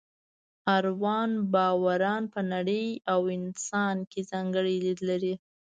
اروا باوران په نړۍ او انسان کې ځانګړی لید لري.